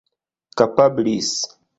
kapablis